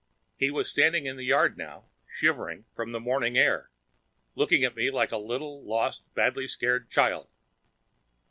He was standing in the yard now, shivering from the morning air, looking at me like a little lost and badly scared child.